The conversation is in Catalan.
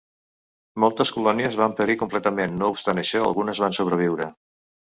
Moltes colònies van perir completament, no obstant això algunes van sobreviure.